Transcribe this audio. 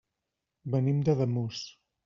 Venim d'Ademús.